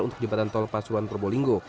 untuk jembatan tol pasuruan